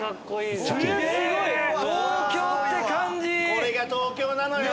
これが東京なのよ。